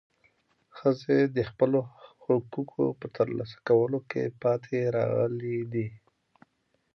ښځې د خپلو حقوقو په ترلاسه کولو کې پاتې راغلې دي.